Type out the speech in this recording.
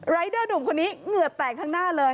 เดอร์หนุ่มคนนี้เหงื่อแตกทั้งหน้าเลย